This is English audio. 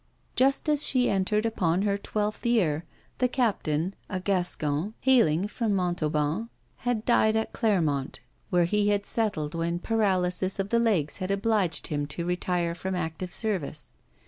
Just as she entered upon her twelfth year, the captain, a Gascon, hailing from Montauban, had died at Clermont, where he had settled when paralysis of the legs had obliged him to retire from active service.